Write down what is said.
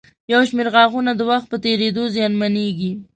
یو شمېر غاښونه د وخت په تېرېدو زیانمنېږي.